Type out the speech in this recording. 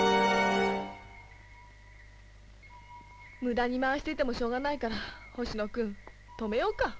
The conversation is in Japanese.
無駄に回していてもしょうがないからホシノ君止めようか？